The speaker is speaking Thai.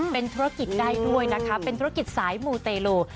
เป็นธุรกิจใดด้วยนะคะเป็นธุรกิจสายมูตร์เตรียม